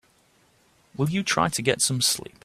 Will you try to get some sleep?